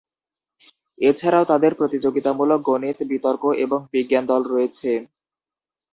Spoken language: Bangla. এছাড়াও তাদের প্রতিযোগিতামূলক গণিত, বিতর্ক এবং বিজ্ঞান দল রয়েছে।